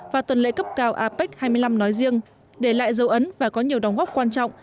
và tuần lễ cấp cao apec hai mươi năm nói riêng để lại dấu ấn và có nhiều đóng góp quan trọng